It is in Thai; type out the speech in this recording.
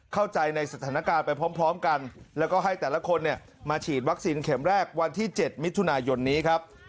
เข้าใจในสถานการณ์ไปพร้อมกันแล้วก็ให้แต่ละคนเนี่ยมาฉีดวัคซีนเข็มแรกวันที่๗มิถุนายนนี้ครับ